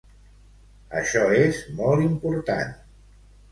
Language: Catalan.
Això és molt important.